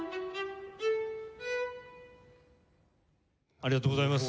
ありがとうございます。